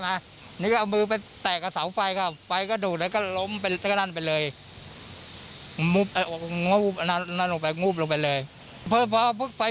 แต่เมื่อเช้าอันนี้